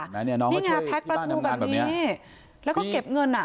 นี่ไงพักประทูแบบนี้แล้วก็เก็บเงินอ่ะ